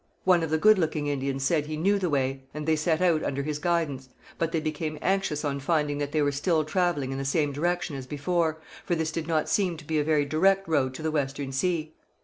One of the Good looking Indians said he knew the way, and they set out under his guidance; but they became anxious on finding that they were still travelling in the same direction as before, for this did not seem to be a very direct road to the Western Sea.